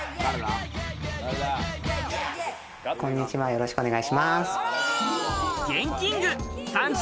よろしくお願いします。